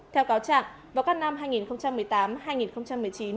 theo cáo trạng vào các năm hai nghìn một mươi tám hai nghìn một mươi chín